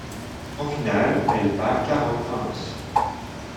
En finale, elle bat Carol Hanks.